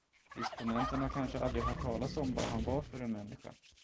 Disponenten har kanske aldrig hört talas om vad han var för en människa.